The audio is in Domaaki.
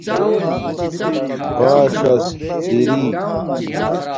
باݽس دری